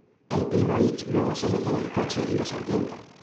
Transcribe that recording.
El Primo Itt luego se mete en el coche y los ahuyenta.